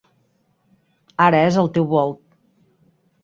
Ara és el teu volt.